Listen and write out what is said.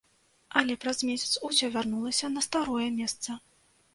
Але праз месяц усё вярнулася на старое месца.